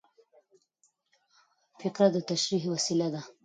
فقره د تشریح وسیله ده.